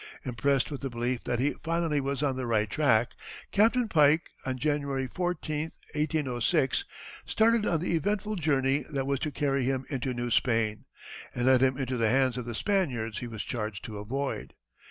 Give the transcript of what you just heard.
Impressed with the belief that he finally was on the right track, Captain Pike, on January 14, 1806, started on the eventful journey that was to carry him into New Spain, and lead him into the hands of the Spaniards he was charged to avoid.